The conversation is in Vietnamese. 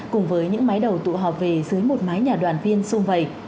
cùng với những mái đầu tụ họp về dưới một mái nhà đoàn viên sung vầy